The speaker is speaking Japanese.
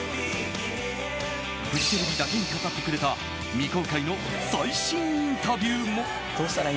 フジテレビだけに語ってくれた未公開の最新インタビューも。